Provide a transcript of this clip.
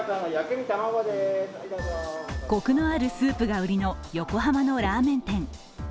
コクのあるスープが売りの横浜のラーメン店。